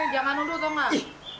jangan nuduh tau gak